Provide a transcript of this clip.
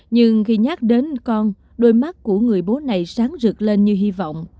nhưng khi nhắc đến con đôi mắt của người bố này sáng rực lên như hy vọng